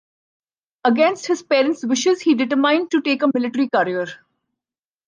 Against his parents' wishes he determined to take a military career.